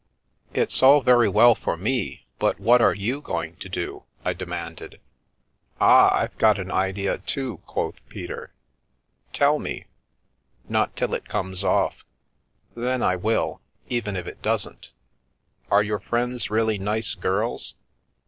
" It's all very well for me, but what are you going to do?" I demanded. 93 The Milky Way " Ah, I've got an idea, too !" quoth Peter. " Tell me." " Not till it comes off. Then I will, even if it doesn't. Are your friends really nice girls?